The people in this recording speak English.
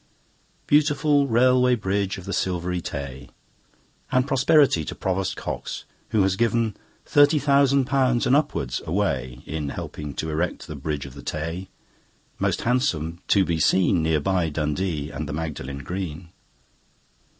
Beautiful Railway Bridge of the Silvery Tay! And prosperity to Provost Cox, who has given Thirty thousand pounds and upwards away In helping to erect the Bridge of the Tay, Most handsome to be seen, Near by Dundee and the Magdalen Green.